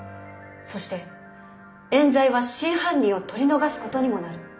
そして冤罪は真犯人を取り逃すことにもなる。